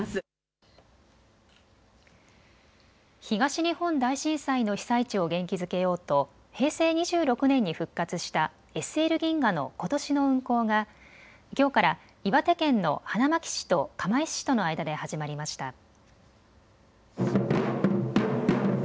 東日本大震災の被災地を元気づけようと平成２６年に復活したＳＬ銀河のことしの運行がきょうから岩手県の花巻市と釜石市との間で始まりました。